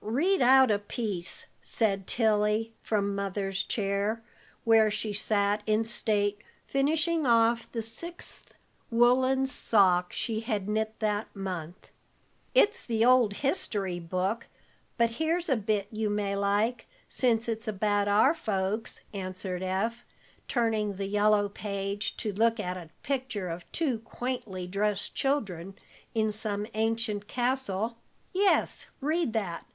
"Read out a piece," said Tilly, from Mother's chair, where she sat in state, finishing off the sixth woolen sock she had knit that month. "It's the old history book, but here's a bit you may like, since it's about our folks," answered Eph, turning the yellow page to look at a picture of two quaintly dressed children in some ancient castle. "Yes, read that.